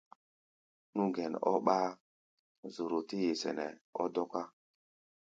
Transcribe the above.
Nú gɛn ɔ́ ɓáá, zoro tɛ́ ye sɛnɛ ɔ́ dɔ́ká.